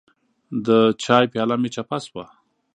د چای پیاله مې چپه شوه.